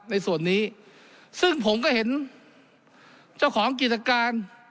ในส่วนนี้ซึ่งผมก็เห็นเจ้าของกิจการ